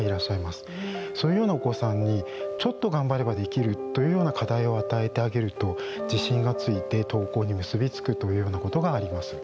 そういうようなお子さんにちょっと頑張ればできるというような課題を与えてあげると自信がついて登校に結び付くというようなことがあります。